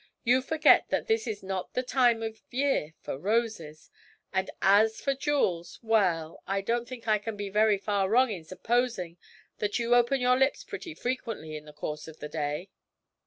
You forget that this is not the time of year for roses, and, as for jewels, well, I don't think I can be very far wrong in supposing that you open your lips pretty frequently in the course of the day?'